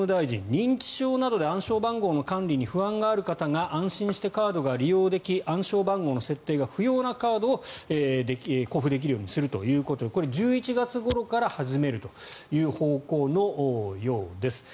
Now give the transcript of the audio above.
認知症などで暗証番号の管理などに不安がある方が安心して利用でき、暗証番号の設定が不要なカードを交付できるようにするということで１１月ごろから始まるという方向のようです。